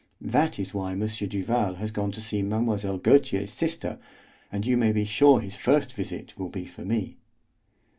That is why M. Duval has gone to see Mlle. Gautier's sister, and you may be sure his first visit will be for me."